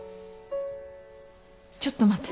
ちょっと待って。